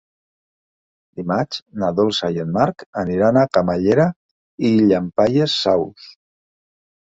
Dimarts na Dolça i en Marc aniran a Camallera i Llampaies Saus.